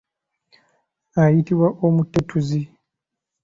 Ayitibwa omutetuzi.